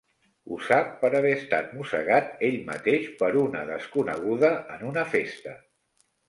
Ho sap per haver estat mossegat ell mateix per una desconeguda en una festa.